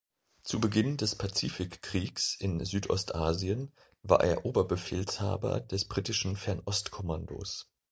Zu Beginn des Pazifikkriegs in Südostasien war er Oberbefehlshaber des britischen Fernost-Kommandos.